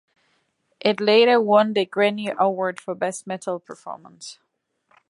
It later won the Grammy Award for Best Metal Performance.